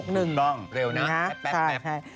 เร็วนะแป๊บเอาเรื่องแรกก่อนเลย